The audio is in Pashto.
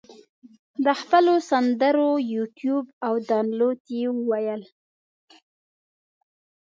د خپلو سندرو یوټیوب او دانلود یې وویل.